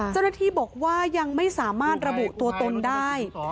เจ้าหน้าที่บอกว่ายังไม่สามารถระบุตัวตนได้